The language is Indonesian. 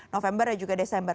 november ya juga desember